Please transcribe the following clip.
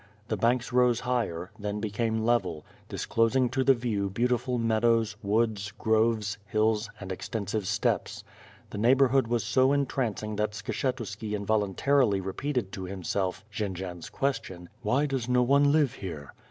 The banks rose higher, then became level, disclosing to the view beautiful meadows, woods, groves, hills, and extensive steppes. The neighborhood was so entrancing that Skshetuski involunta rily repeated to himself Jendzian's question: "Why does no one live here?"